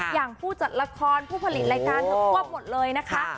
อย่างผู้จัดละครผู้ผลิตรายการเธอควบหมดเลยนะคะ